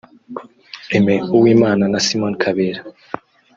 Aime Uwimana na Simon Kabera